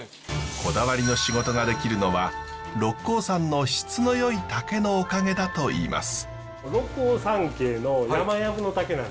こだわりの仕事ができるのは六甲山の質のよい竹のおかげだといいます。